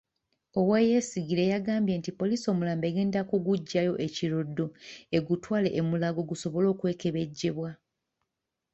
Owoyesigire yagambye nti poliisi omulambo egenda kuguggyayo e Kiruddu egutwale e Mulago gusobola okwekebejjebwa.